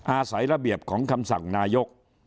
อาศัยระเบียบของคำสั่งนายก